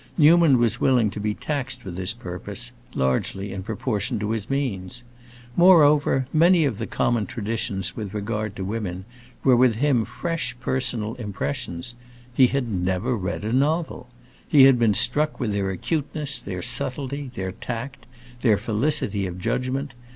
Newman was willing to be taxed for this purpose, largely, in proportion to his means. Moreover, many of the common traditions with regard to women were with him fresh personal impressions; he had never read a novel! He had been struck with their acuteness, their subtlety, their tact, their felicity of judgment.